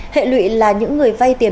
hệ lụy là những người vay tiền